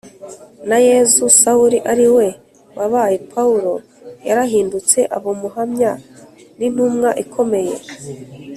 na yezu, sawuli ariwe wabaye paulo, yarahindutse aba umuhamya n’intumwa ikomeye